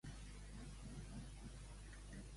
Com es descriu l'expressió de l'escultura?